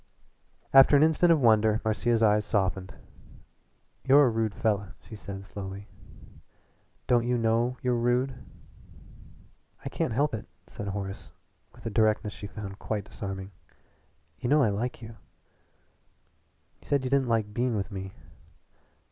After an instant of wonder Marcia's eyes softened. "You're a rude fella!" she said slowly. "Don't you know you're rude?" "I can't help it," said Horace with a directness she found quite disarming. "You know I like you." "You said you didn't like being with me."